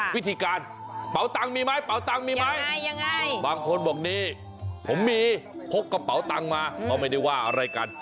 วิธีการเป๋าตังค์มีไหมเป๋าตังค์มีไหมบางคนบอกนี่ผมมีพกกระเป๋าตังค์มาเขาไม่ได้ว่าอะไรกัน